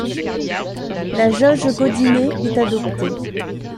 La jauge Godinet est adoptée.